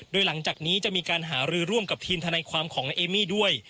โดยหลังจากนี้จะมีการหารือร่วมกับทีมทนายความของนายเอมี่ด้วย